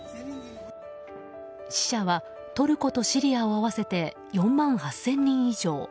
死者はトルコとシリアを合わせて４万８０００人以上。